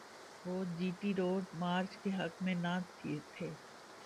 وہ G T road march کے حق میں نہ تھے۔